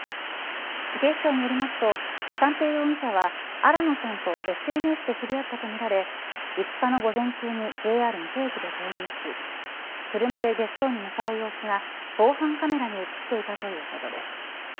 警視庁によりますと三瓶容疑者は新野さんとＳＮＳで知り合ったとみられ５日の午前中にＪＲ水戸駅で合流し車で別荘に向かう様子が防犯カメラに映っていたということです。